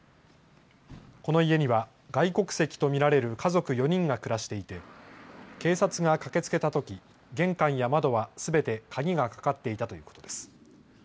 この家には外国籍と見られる家族４人が暮らしていて警察が駆けつけたとき玄関や窓はすべて鍵がかかっていたということです。